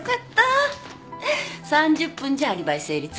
３０分じゃアリバイ成立！